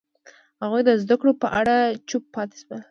هغوی د زده کړو په اړه چوپ پاتې شول.